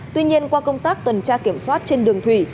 tuy nhiên qua công tác tuần tra kiểm soát trên đường thủy